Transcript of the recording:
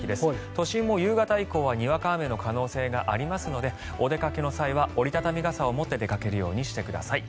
都心も夕方以降はにわか雨の可能性がありますのでお出かけの際は折り畳み傘を持って出かけるようにしてください。